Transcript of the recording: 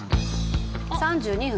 ３２分？